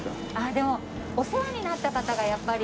でもお世話になった方がやっぱり。